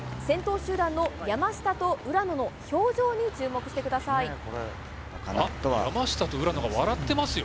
先頭集団の山下と浦野の表情に注目してください。